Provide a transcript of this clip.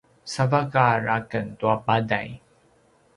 savaqar aken tua paday